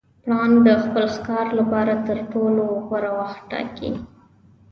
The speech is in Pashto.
پړانګ د خپل ښکار لپاره تر ټولو غوره وخت ټاکي.